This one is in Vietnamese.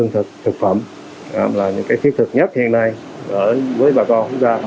thực phẩm là những cái thiết thực nhất hiện nay với bà con quốc gia